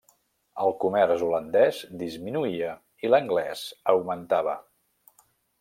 El comerç holandès disminuïa i l'anglès augmentava.